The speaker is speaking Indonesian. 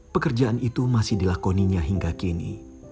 pekerjaan itu masih dilakoninya hingga kini